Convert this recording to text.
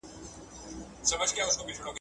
عامه غولونه د ټولني لپاره خورا خطرناکه ده.